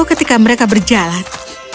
ketika mereka berjalan